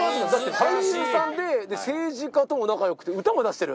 俳優さんで、政治家とも仲よくて、歌も出してる？